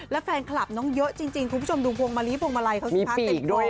แล้วแฟนคลับน้องเยอะจริงคุณผู้ชมดูพวงมาลีพวงมาลัยเขาสิคะเต็มร้อย